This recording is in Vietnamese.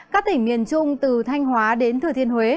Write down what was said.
các tỉnh miền trung từ thanh hóa đến thừa thiên huế